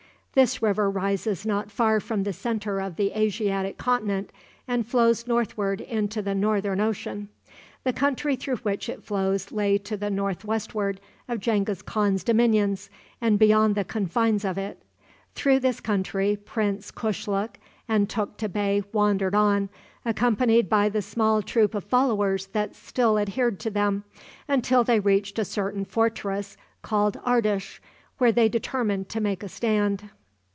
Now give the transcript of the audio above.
This river rises not far from the centre of the Asiatic continent, and flows northward into the Northern Ocean. The country through which it flows lay to the northwestward of Genghis Khan's dominions, and beyond the confines of it. Through this country Prince Kushluk and Tukta Bey wandered on, accompanied by the small troop of followers that still adhered to them, until they reached a certain fortress called Ardish, where they determined to make a stand.